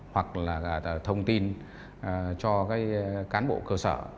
hoặc là thông tin cho cán bộ cơ sở